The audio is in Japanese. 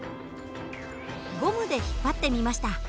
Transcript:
ゴムで引っ張ってみました。